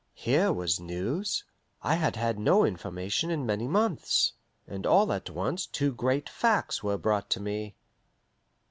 Here was news. I had had no information in many months, and all at once two great facts were brought to me.